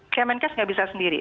kemenkes tidak bisa sendiri